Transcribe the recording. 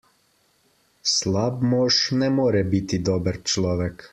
Slab mož ne more biti dober človek.